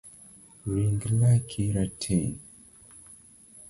Ring laki rateng’